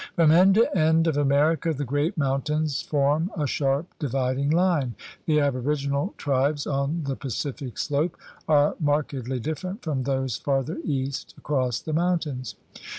From end to end of America the great mountains form a sharp dividing line. The aboriginal tribes on the Pacific slope are markedly different from those farther east across the mountains.